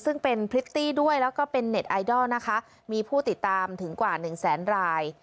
ซึ่งเป็นพริตตี้ด้วยแล้วก็เป็นเน็ตไอดอลนะคะมีผู้ติดตามถึงกว่าหนึ่งแสนราย